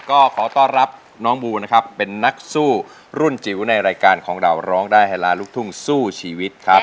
ก็ขอต้อนรับน้องบูนะครับเป็นนักสู้รุ่นจิ๋วในรายการของเราร้องได้ให้ล้านลูกทุ่งสู้ชีวิตครับ